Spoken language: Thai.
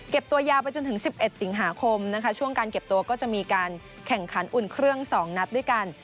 ตัวยาวไปจนถึง๑๑สิงหาคมนะคะช่วงการเก็บตัวก็จะมีการแข่งขันอุ่นเครื่อง๒นัดด้วยกัน